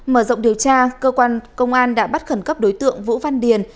mở rộng điều tra cơ quan công an đã bắt khẩn cấp đối tượng vũ văn điền